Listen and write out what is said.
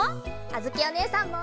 あづきおねえさんも！